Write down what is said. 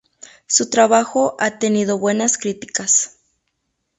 Su trabajo ha tenido buenas críticas.